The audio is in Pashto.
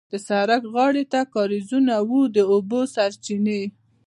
د سړک غاړې ته کارېزونه وو د اوبو سرچینې.